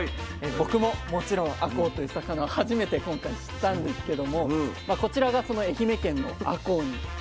僕ももちろんあこうという魚を初めて今回知ったんですけどもこちらがその愛媛県のあこうになりますね。